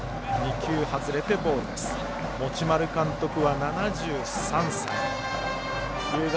持丸監督は７３歳。